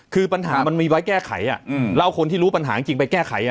คือปัญหามันมีไว้แก้ไขแล้วเอาคนที่รู้ปัญหาจริงไปแก้ไข